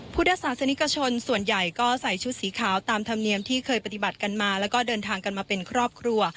พุทธศาสนิกชนส่วนใหญ่ก็ใส่ชุดสีขาวตามธรรมเนียมที่เคยปฏิบัติกันมาแล้วก็เดินทางกันมาเป็นครอบครัว